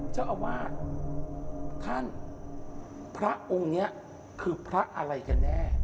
เจ้าอาวาสท่านพระองค์นี้คือพระอะไรกันแน่